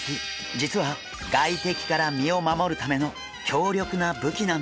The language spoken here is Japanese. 実は外敵から身を守るための強力な武器なんです。